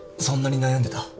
そんなに悩んでた？